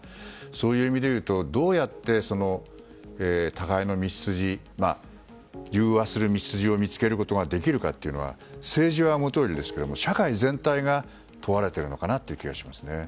そういう意味でいうとどうやって、互いに融和する道筋を見つけることができるのかというのは政治はもとより社会全体が問われている気がしますね。